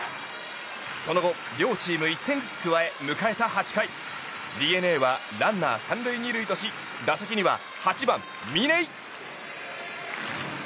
その後両チーム１点ずつ加え迎えた８回ＤｅＮＡはランナー３塁２塁とし打席には８番、嶺井。